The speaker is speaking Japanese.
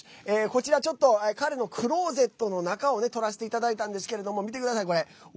こちら、ちょっと彼のクローゼットの中を撮らせていただいたんですけども見てください、これ。